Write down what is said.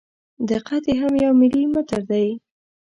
دقت یې هم یو ملي متر دی.